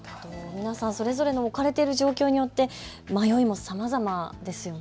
皆さん、それぞれの置かれている状況によって迷いもさまざまですよね。